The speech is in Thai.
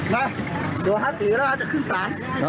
มาตัวหาตือแล้วอาจจะขึ้นสาร